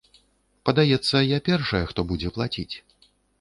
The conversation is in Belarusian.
Падаецца, я першая, хто будзе плаціць.